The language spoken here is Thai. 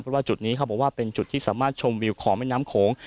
เพราะว่าจุดนี้เขาบอกว่าเป็นจุดที่สามารถชมวิวของแม่น้ำโขง